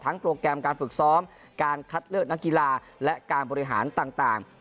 โปรแกรมการฝึกซ้อมการคัดเลือกนักกีฬาและการบริหารต่าง